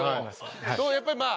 やっぱりまあ